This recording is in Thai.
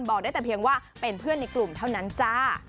บอกได้แต่เพียงว่าเป็นเพื่อนในกลุ่มเท่านั้นจ้า